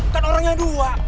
kan orangnya dua